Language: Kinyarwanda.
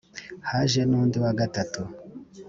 haje n undi wa gatatu